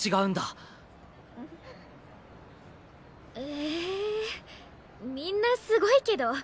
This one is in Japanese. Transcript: ええみんなすごいけど。